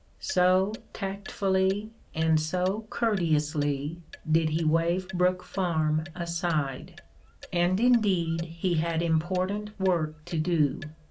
So tactfully and so courteously did he waive Brook Farm aside. And indeed he had important work to do.